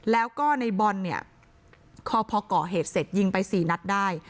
แล้วก็ในบอลเนี่ยพอก่อเหตุเสร็จยิงไป๔นัดได้